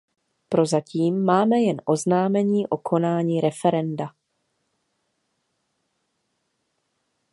Prozatím máme jen oznámení o konání referenda.